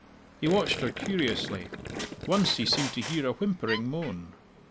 He watched her curiously; once he seemed to hear a whimpering moan.